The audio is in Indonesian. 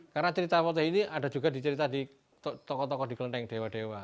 karena cerita potehi ini ada juga dicerita di tokoh tokoh di kelenteng dewa